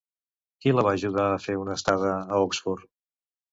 Qui la va ajudar a fer una estada a Oxford?